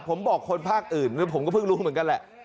ผมบอกคนภาคอื่นผมก็เพิ่งรู้เหมือนกันแหละ